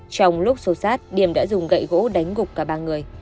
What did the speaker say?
trong lúc xô sát điểm đã dùng gậy gỗ đánh gục cả ba người